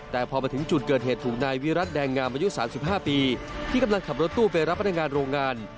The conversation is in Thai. แต่พอมาถึงจุดเกิดเหตุถูกนายวิรัติแดงงามอายุ๓๕ปีที่กำลังขับรถตู้ไปรับพนักงานโรงงาน